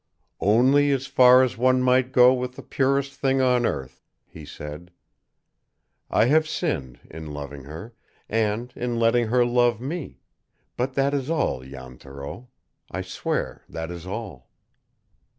"Only as far as one might go with the purest thing on earth," he said. "I have sinned in loving her, and in letting her love me, but that is all, Jan Thoreau. I swear that is all!"